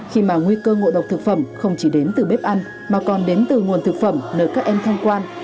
khi mà nguy cơ ngộ độc thực phẩm không chỉ đến từ bếp ăn mà còn đến từ nguồn thực phẩm nơi các em tham quan